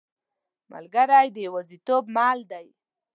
ملګری د یوازیتوب مل دی.